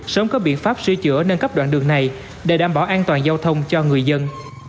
sớm có biện pháp sửa chữa nâng cấp đoạn đường này để đảm bảo an toàn giao thông cho người dân